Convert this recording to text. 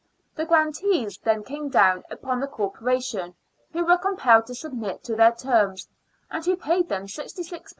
The grantees then came down upon the Corporation, who were compelled to submit to their terms, and who paid them £66 13s.